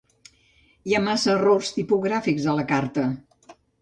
Hi ha massa errors tipogràfics a la carta.